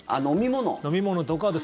飲み物とかあと